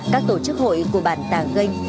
các tổ chức hội của bản tà ganh